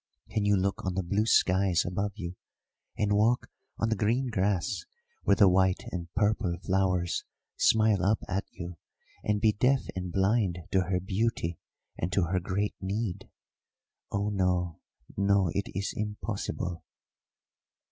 Can you look on the blue skies above you and walk on the green grass where the white and purple flowers smile up at you and be deaf and blind to her beauty and to her great need? Oh, no, no, it is impossible!"